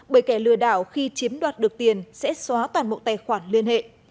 bởi kẻ lừa đảo khi chiếm đoạt được tiền sẽ xóa toàn bộ tài khoản liên hệ